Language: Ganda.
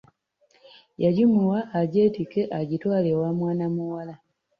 Yagimuwa agyetikke agitwale ewa mwana muwala.